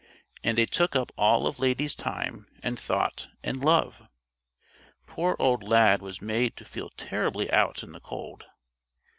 And they took up all of Lady's time and thought and love. Poor old Lad was made to feel terribly out in the cold.